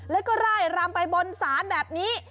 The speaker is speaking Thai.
แล้วก็ไล่รำไปบนศาลแบบนี้